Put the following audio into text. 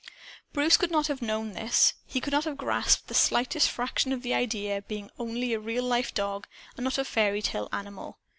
Bruce could not have known this. He could not have grasped the slightest fraction of the idea, being only a real life dog and not a fairytale animal.